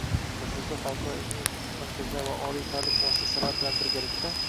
Nufuzli xalqaro ilmiy markazlar va oliy ta’lim muassasalari bilan birgalikda